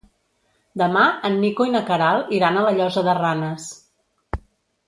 Demà en Nico i na Queralt iran a la Llosa de Ranes.